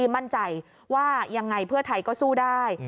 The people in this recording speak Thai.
มั่นใจว่ายังไงเพื่อไทยก็สู้ได้